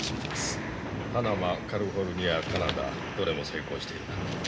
パナマカリフォルニアカナダどれも成功している。